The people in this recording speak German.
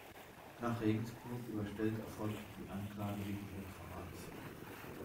Nach Regensburg überstellt erfolgte die Anklage wegen Hochverrats.